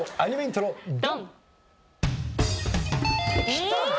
きた！